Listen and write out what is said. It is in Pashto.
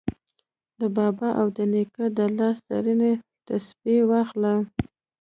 د بابا او د نیکه د لاس زرینې تسپې واخله